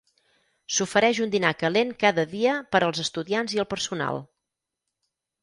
S'ofereix un dinar calent cada dia per als estudiants i el personal.